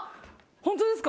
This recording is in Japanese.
本当ですか？